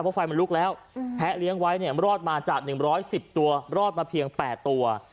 เพราะไฟมันลุกแล้วแพ้เลี้ยงไว้เนี่ยรอดมาจาก๑๑๐ตัวรอดมาเพียง๘ตัว